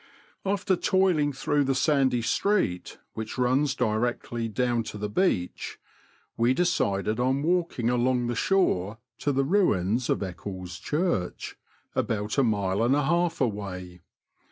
After toiling through the sandy street which runs directly down to the beach, we decided on walking along the shore to the ruins of Eccles Church, about a mile and a half away.